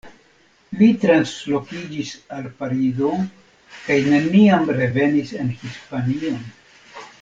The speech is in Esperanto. Li translokiĝis al Parizo, kaj neniam revenis en Hispanion.